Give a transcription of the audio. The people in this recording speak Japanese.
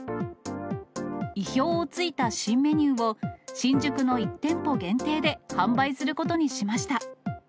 意表をついた新メニューを、新宿の１店舗限定で販売することにしました。